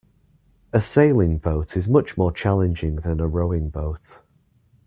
A sailing boat is much more challenging than a rowing boat